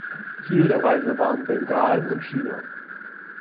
Ziel der Reise waren Bengalen und China.